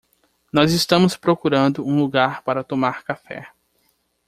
Nós estamos procurando um lugar para tomar café